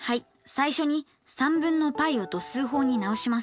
最初に３分のπを度数法に直します。